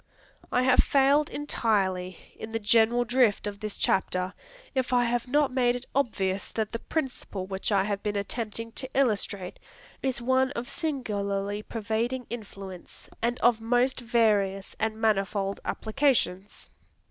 I have failed entirely in the general drift of this chapter, if I have not made it obvious that the principle which I have been attempting to illustrate is one of singularly pervading influence, and of most various and manifold applications.